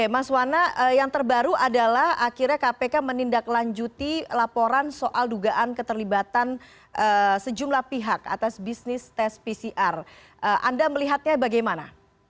mas wana yang terbaru adalah akhirnya kpk menindaklanjuti laporan soal dugaan keterlibatan sejumlah pihak atas bisnis tes pcr anda melihatnya bagaimana